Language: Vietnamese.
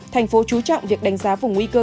thành phố chú trọng việc đánh giá vùng nguy cơ